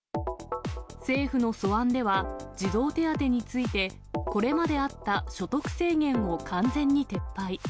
政府の素案では、児童手当について、これまであった所得制限を完全に撤廃。